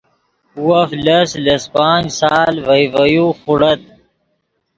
وف لس پانچ سال ڤئے ڤے یو خوڑت